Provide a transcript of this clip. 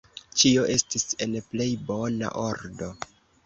Ĉio estis en plej bona ordo.